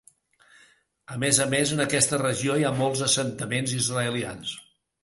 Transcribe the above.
A més a més, en aquesta regió hi ha molts assentaments israelians.